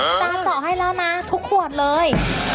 จานเจาะให้แล้วนะทุกขวดเลย